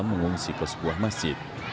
angin puting beliung mengungsi ke sebuah masjid